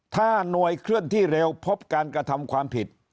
ถ้าหน่วยเคลื่อนที่เร็วพบการกระทำความผิด